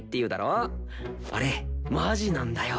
あれマジなんだよ。